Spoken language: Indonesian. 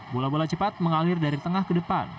bola bola cepat mengalir dari tengah ke depan